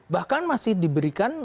bahkan masih diberikan